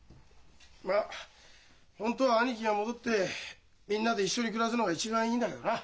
まあ本当は兄貴が戻ってみんなで一緒に暮らすのが一番いいんだけどな。